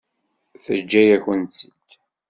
Teǧǧa-yakent-tt-id.